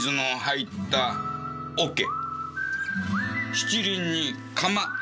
七輪に釜。